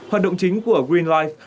hoạt động chính của green life